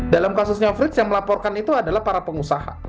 dalam kasusnya frits yang melaporkan itu adalah para pengusaha